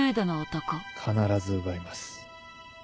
必ず奪います。